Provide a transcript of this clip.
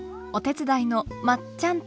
お手伝いのまっちゃ